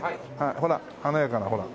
ほら華やかなほら。